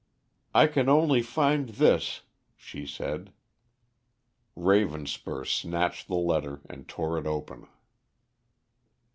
"I can only find this," she said. Ravenspur snatched the letter, and tore it open.